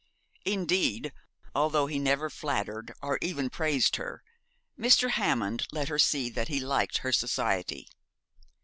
Indeed, although he never flattered or even praised her, Mr. Hammond let her see that he liked her society.